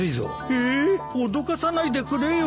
え脅かさないでくれよ。